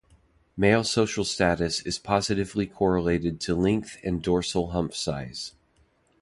Male social status is positively correlated to length and dorsal hump size.